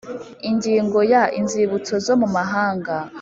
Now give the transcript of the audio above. ingingo ya inzibutso zo mu mahanga